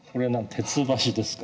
鉄箸ですか？